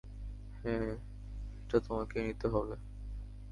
হ্যাঁ, এটা তোমাকেই নিতে হবে।